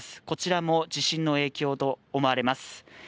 こちらも地震の影響と思われます。